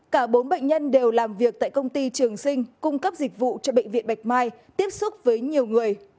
cả bốn bệnh nhân đều làm việc tại công ty trường sinh cung cấp dịch vụ cho bệnh viện bạch mai tiếp xúc với nhiều người